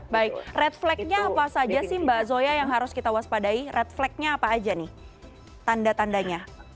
baik red flagnya apa saja sih mbak zoya yang harus kita waspadai red flagnya apa aja nih tanda tandanya